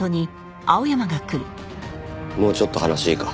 もうちょっと話いいか？